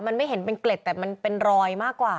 มันไม่เห็นเป็นเกล็ดแต่มันเป็นรอยมากกว่า